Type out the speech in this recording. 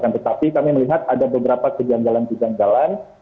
tetapi kami melihat ada beberapa kejanggalan kejanggalan